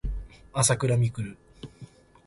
あさくらみくる